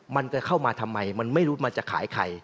มันจะเข้ามาทำไมมันไม่รู้มันจะขายใคร